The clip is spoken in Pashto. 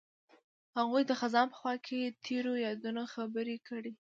هغوی د خزان په خوا کې تیرو یادونو خبرې کړې.